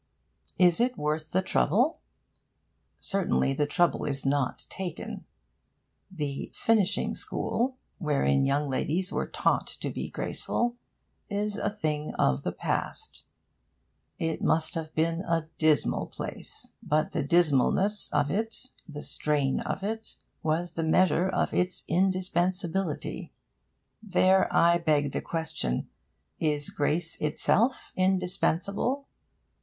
Is it worth the trouble? Certainly the trouble is not taken. The 'finishing school,' wherein young ladies were taught to be graceful, is a thing of the past. It must have been a dismal place; but the dismalness of it the strain of it was the measure of its indispensability. There I beg the question. Is grace itself indispensable?